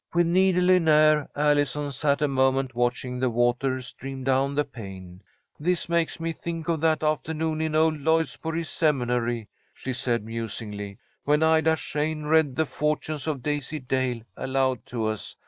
With needle in air, Allison sat a moment watching the water stream down the pane. "This makes me think of that afternoon in old Lloydsboro Seminary," she said, musingly, "when Ida Shane read the 'Fortunes of Daisy Dale' aloud to us.